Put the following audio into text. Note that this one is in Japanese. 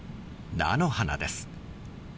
菜の花です。